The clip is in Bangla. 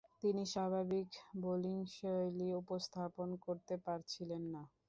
তিনি স্বাভাবিক বোলিংশৈলী উপস্থাপন করতে পারছিলেন না।